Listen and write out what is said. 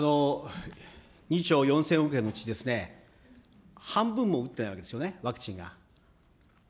２兆４０００億円のうち、半分も打ってないわけですよね、ワクチンが。